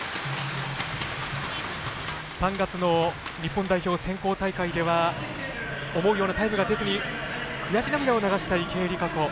３月の日本代表選考大会では思うようなタイムが出ずに悔し涙を見せた池江璃花子。